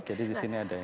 jadi di sini ada ini